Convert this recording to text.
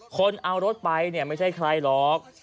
คนเอารถไปเนี่ยไม่ใช่ใครหรอก